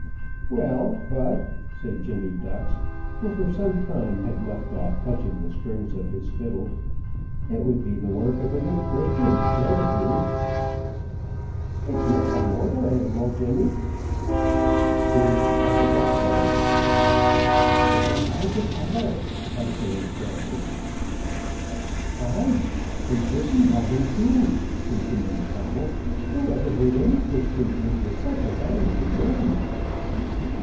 "Well, but," said Jemmy Ducks, who for some time had left off touching the strings of his fiddle, "it would be the work of a good Christian to kill the brute." "It's not a mortal animal, Jemmy." "True, I forgot that." "Gifen by de tyfel," observed Jansen. "Ay, and christened by him too," continued Coble. "Who ever heard any Christian brute with such a damnable name?"